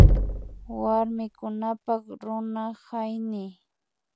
Warmikunapak Runa hañiy